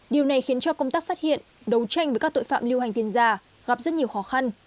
điều này khiến cho công tác phát hiện đấu tranh với các tội phạm lưu hành tiền giả gặp rất nhiều khó khăn